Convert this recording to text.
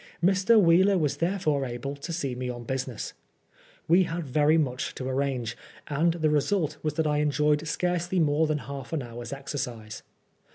Mr. Wheeler was therefore able to see me on business. We had much to arrange, and the result was that I enjoyed scarcely more than half an hour's exercise.